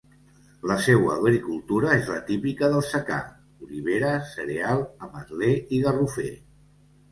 La seua agricultura és la típica del secà: olivera, cereal, ametler i garrofer.